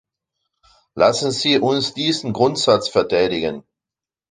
Lassen Sie uns diesen Grundsatz verteidigen!